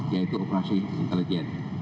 yaitu operasi kelejian